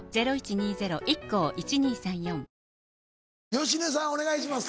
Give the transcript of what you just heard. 芳根さんお願いします。